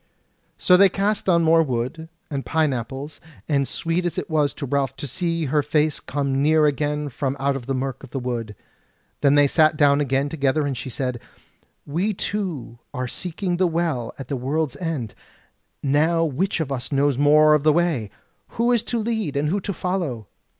So they cast on more wood, and pineapples, and sweet it was to Ralph to see her face come clear again from out the mirk of the wood. Then they sat down again together and she said: "We two are seeking the Well at the World's End; now which of us knows more of the way? who is to lead, and who to follow?"